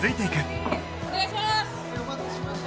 お願いします！